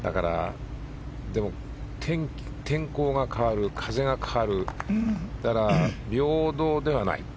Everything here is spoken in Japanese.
でも、天候が変わる風が変わるだから、平等ではない。